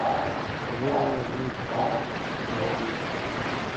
په لوړو ودانیو کې خلک یوازې سول.